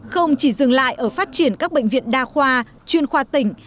không chỉ dừng lại ở phát triển các bệnh viện đa khoa chuyên khoa tỉnh